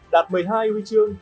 đạt một mươi hai huy chương